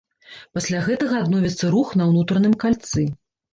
Пасля гэтага адновіцца рух на ўнутраным кальцы.